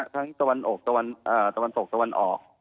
ทั้งตะวันอกตะวันศกตะวันออก